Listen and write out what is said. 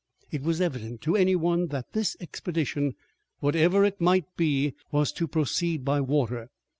It was evident to any one that this expedition, whatever it might be, was to proceed by water.